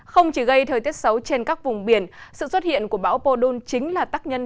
không chỉ gây thời tiết xấu trên các vùng biển sự xuất hiện của bão podun chính là tác nhân